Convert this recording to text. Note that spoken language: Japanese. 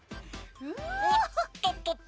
おっとっとっと。